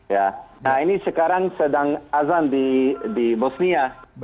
ya nah ini sekarang sedang azan di bosnia